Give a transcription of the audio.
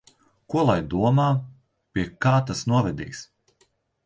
Ko lai domā? Pie kā tas novedīs?